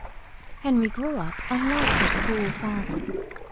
Henry grew up unlike his cruel father.